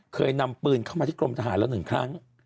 เคยนำปืนเข้ามาที่กรมทหารแล้ว๑ครั้ง